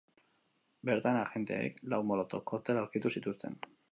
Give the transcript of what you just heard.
Bertan, agenteek lau molotov koktel aurkitu zituzten.